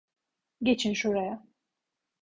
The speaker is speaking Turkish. Geçin şuraya.